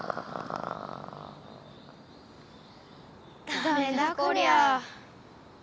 ダメだこりゃ。